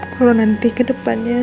kalau nanti ke depannya